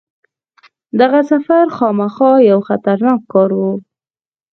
دغه سفر خامخا یو خطرناک کار وو.